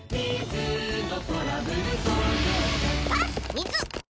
水！